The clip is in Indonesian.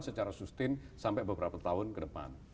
secara sustain sampai beberapa tahun ke depan